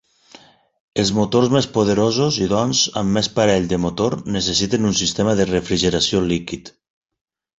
Els motors més poderosos i doncs amb més parell de motor necessiten un sistema de refrigeració líquid.